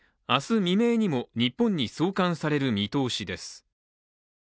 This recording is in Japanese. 未明にも日本に送還される見通しです。